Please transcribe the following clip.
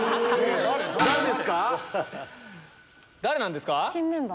誰なんですか？